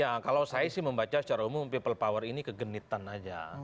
ya kalau saya sih membaca secara umum people power ini kegenitan aja